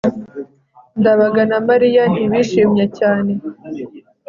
ndabaga na mariya ntibishimye cyane